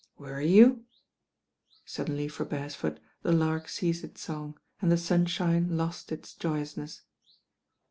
••Wony you?" Suddenly for Beresford the lark ceased its song, and the sunshine lost its joyousness.